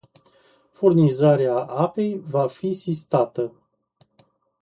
Furnizarea apei va fi sistată.